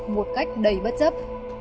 một cách đầy bất chấp